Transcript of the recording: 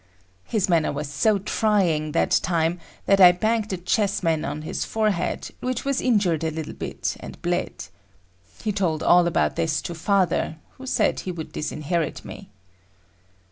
His manner was so trying that time that I banged a chessman on his forehead which was injured a little bit and bled. He told all about this to father, who said he would disinherit me.